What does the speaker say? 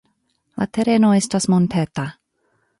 La tereno estas monteta.